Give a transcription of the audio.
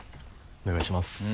お願いします。